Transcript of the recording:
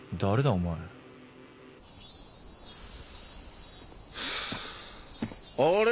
お前あれ？